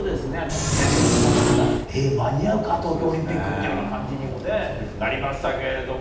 骨折した時は間に合うか東京オリンピックっていう感じにもなりましたけれども。